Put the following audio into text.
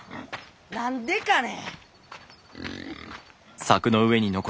何でかね？